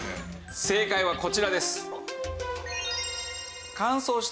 正解はこちらです。